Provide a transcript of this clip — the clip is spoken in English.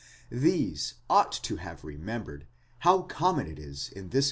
These ought to have remembered how common it is in this.